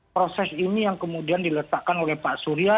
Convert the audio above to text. proses ini yang kemudian diletakkan oleh pak surya